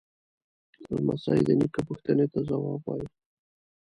لمسی د نیکه پوښتنې ته ځواب وايي.